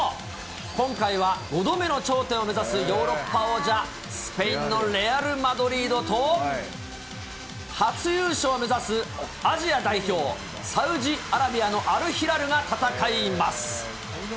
今回は５度目の頂点を目指すヨーロッパ王者、スペインのレアル・マドリードと、初優勝を目指す、アジア代表、サウジアラビアのアルヒラルが戦います。